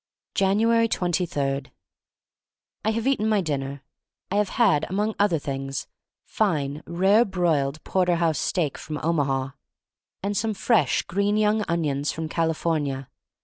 Januats 23* I HAVE eaten my dinner. I have had, among other things, fine, rare broiled porterhouse steak from Omaha, and some fresh, green young onions from California.